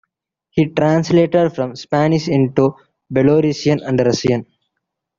He translated from Spanish into Belarusian and Russian.